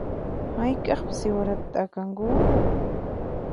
Hayk'aqmi siwarata t'akanku?